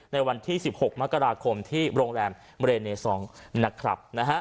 ในวันที่๑๖มกราคมที่โรงแรมเรเนซองนะครับ